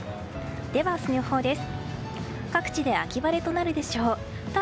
では明日の予報です。